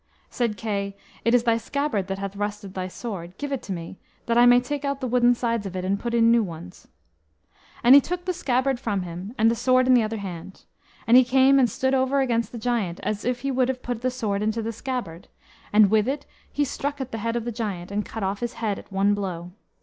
Said Kay, "It is thy scabbard that hath rusted thy sword; give it to me, that I may take out the wooden sides of it, and put in new ones." And he took the scabbard from him, and the sword in the other hand. And he came and stood over against the giant, as if he would have put the sword into the scabbard; and with it he struck at the head of the giant, and cut off his head at one blow.